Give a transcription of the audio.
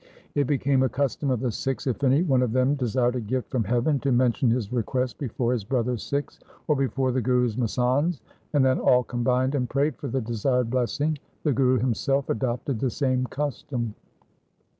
It became a custom of the Sikhs if any one of them desired a gift from heaven to mention his request before his brother Sikhs or before the Guru's masands, and then all combined and prayed for the desired blessing. The Guru himself adopted the same custom.